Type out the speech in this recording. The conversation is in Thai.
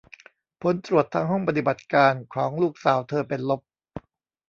ผลตรวจทางห้องปฏิบัติการของลูกสาวเธอเป็นลบ